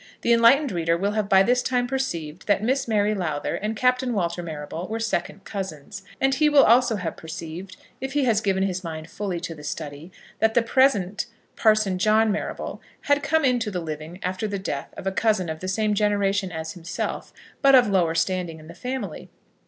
The enlightened reader will have by this time perceived that Miss Mary Lowther and Captain Walter Marrable were second cousins; and he will also have perceived, if he has given his mind fully to the study, that the present Parson John Marrable had come into the living after the death of a cousin of the same generation as himself, but of lower standing in the family.